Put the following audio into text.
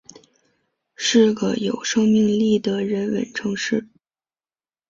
是个有生命力的人文城市